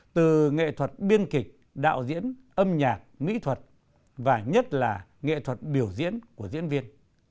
từ nghệ thuật biên kịch đạo diễn âm nhạc mỹ thuật và nhất là nghệ thuật biểu diễn của diễn viên